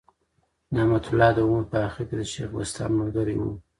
نعمت الله د عمر په آخر کي د شېخ بستان ملګری ؤ.